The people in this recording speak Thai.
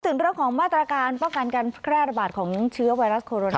ถึงเรื่องของมาตรการป้องกันการแพร่ระบาดของเชื้อไวรัสโคโรนา